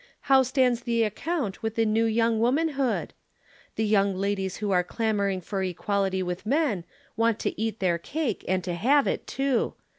How stands the account with the new young womanhood? The young ladies who are clamoring for equality with men want to eat their cake and to have it too.